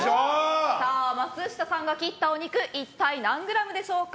松下さんが切ったお肉一体何グラムでしょうか。